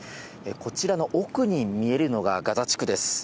こちらの奥に見えるのが、ガザ地区です。